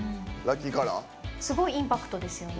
すごいインパクトですよね。